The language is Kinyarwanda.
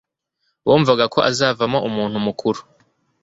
bumvaga ko azavamo umuntu mukuru